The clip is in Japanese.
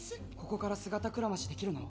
ここから姿くらましできるの？